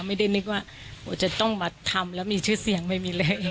ไม่ได้นึกว่าจะต้องมาทำแล้วมีชื่อเสียงไม่มีแรง